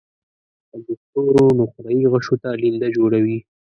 او د ستورو نقره يي غشو ته لینده جوړوي